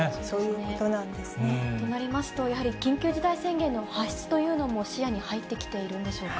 そういうことなんですね。となりますと、やはり緊急事態宣言の発出というのも視野に入ってきているんでし